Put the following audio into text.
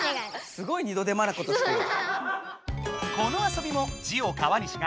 すごい二度手間なことしてるよ。